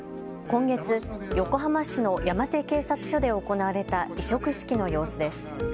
今月、横浜市の山手警察署で行われた委嘱式の様子です。